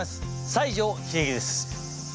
西城秀樹です。